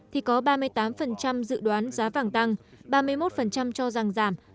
thì có ba mươi tám dự đoán giá vàng tăng ba mươi một cho rằng giảm